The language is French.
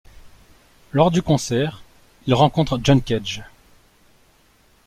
Lors du concert, il rencontre John Cage.